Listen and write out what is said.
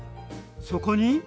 そこに？